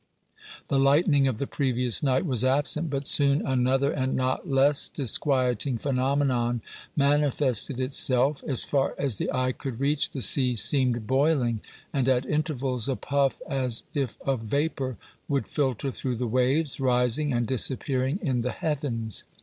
The lightning of the previous night was absent, but soon another and not less disquieting phenomenon manifested itself; as far as the eye could reach the sea seemed boiling, and, at intervals, a puff, as if of vapor, would filter through the waves, rising and disappearing in the heavens.